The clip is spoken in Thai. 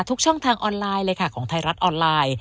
ทุกช่องทางออนไลน์เลยค่ะของไทยรัฐออนไลน์